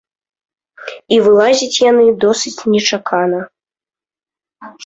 І вылазяць яны досыць нечакана.